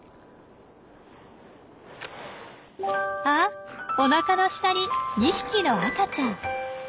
あっおなかの下に２匹の赤ちゃん！